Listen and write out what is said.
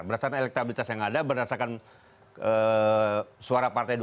berdasarkan suara partai dua ribu empat belas